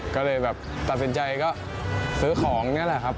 ก็เลยแบบตัดสินใจก็ซื้อของนี่แหละครับ